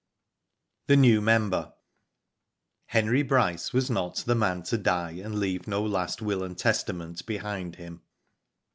THE NEW MEMBER. Henry Bryce was not the man to die and leave no last will and testament behind him.